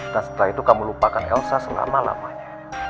dan setelah itu kamu lupakan elsa selama lamanya